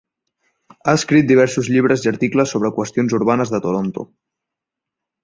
Ha escrit diversos llibres i articles sobre qüestions urbanes de Toronto.